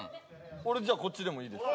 俺じゃあこっちでもいいですよ